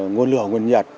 nguồn lửa nguồn nhật